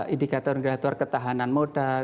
indikator indikator ketahanan modal